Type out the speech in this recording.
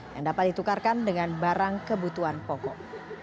yang dapat ditukarkan dengan barang kebutuhan pokok